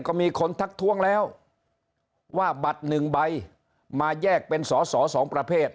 ก็มีคนทักท้วงแล้วว่าบัตรหนึ่งใบมาแยกเป็นสอสอสองประเภท